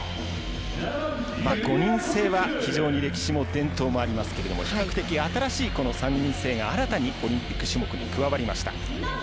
５人制は歴史も伝統もありますが比較的新しい３人制が新たにオリンピック種目に加わりました。